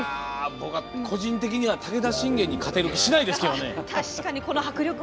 僕は個人的には武田信玄に勝てる気はしないですけどね。